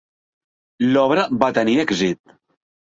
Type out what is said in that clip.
L'obra va tenir èxit.